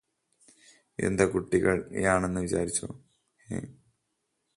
ഇതെന്താ കുട്ടിക്കളിയാണെന്ന് വിചാരിച്ചോ ഏഹ്